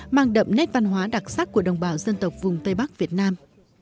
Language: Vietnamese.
mang đậm nét văn hóa đặc sắc của đồng bào dân tộc vùng tây bắc việt nam